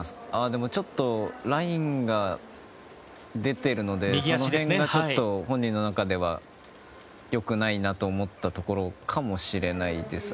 でも、ちょっとラインを出ているので、その辺が本人の中では良くないなと思ったところかもしれないです。